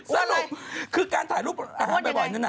สรุปคือการถ่ายรูปอาหารบ่อยนั้นน่ะ